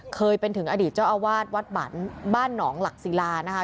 เคยเป็นถึงอดีตเจ้าอาวาสวัดบันบ้านหนองหลักศิลานะคะ